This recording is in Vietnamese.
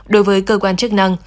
đối với cơ quan chức năng